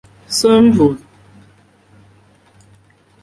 桑普森县是美国北卡罗莱纳州中南部的一个县。